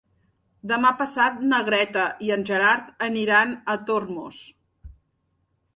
Demà passat na Greta i en Gerard aniran a Tormos.